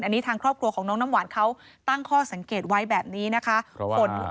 อันนี้ทางครอบครัวของน้องน้ำหวานเขาตั้งข้อสังเกตไว้แบบนี้นะคะ